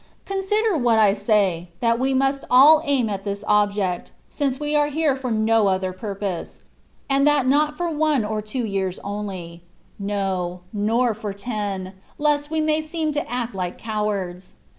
Consider what I say — that we must all aim at this object, since we are here for no other purpose ; and that not for one or two years only; no, nor THE WAY OF PERFECTION. 85 for ten, lest we may seem to act like cowards.